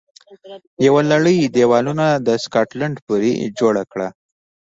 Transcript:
یوه لړۍ دېوالونه د سکاټلند پورې جوړه کړه